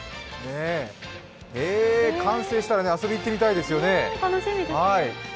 完成したら遊びに行ってみたいですよね。